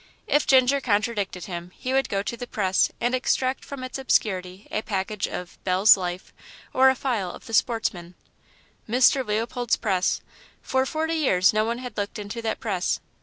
If Ginger contradicted him he would go to the press and extract from its obscurity a package of Bell's Life or a file of the Sportsman. Mr. Leopold's press! For forty years no one had looked into that press.